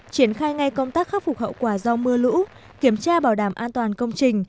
triển khai ngay công tác khắc phục hậu quả do mưa lũ kiểm tra bảo đảm an toàn công trình